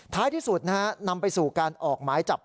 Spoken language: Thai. ท้ายที่สุดนะฮะนำไปสู่การออกหมายจับ